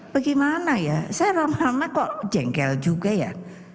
bagaimana ya saya ramah ramah kok jengkel juga ya